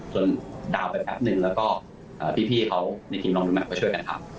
ดาวน์ไปแป๊บนึงแล้วก็พี่เขาในทีมน้องแม็กก็ช่วยกันทำ